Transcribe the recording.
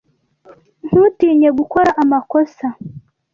Ntutinye gukora amakosa.